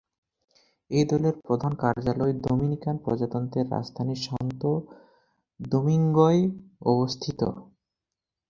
এই দলের প্রধান কার্যালয় ডোমিনিকান প্রজাতন্ত্রের রাজধানী সান্তো দোমিঙ্গোয় অবস্থিত।